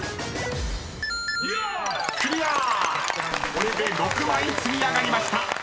これで６枚積み上がりました］